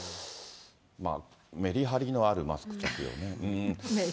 メリハリのあるマスク着用ね。